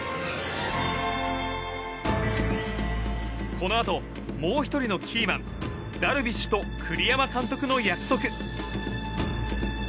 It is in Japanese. このあともう１人のキーマンダルビッシュと栗山監督の約束。